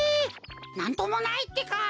なんともないってか！